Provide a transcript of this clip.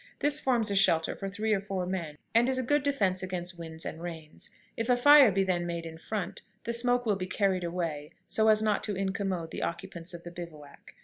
This forms a shelter for three or four men, and is a good defense against winds and rains. If a fire be then made in front, the smoke will be carried away, so as not to incommode the occupants of the bivouac.